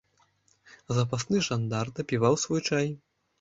Запасны жандар дапіваў свой чай.